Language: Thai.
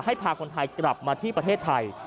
พาคนไทยกลับมาที่ประเทศไทย